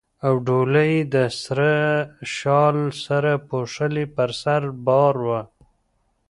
او ډولۍ یې د سره شال سره پوښلې پر سر بار وه.